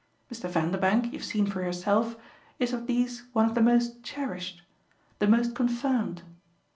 Mr. Vanderbank, you've seen for yourself, is of these one of the most cherished, the most confirmed.